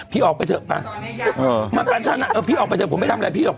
พี่ออกไปเถอะไปฉันอ่ะเออพี่ออกไปเถอะผมไม่ทำอะไรพี่หรอก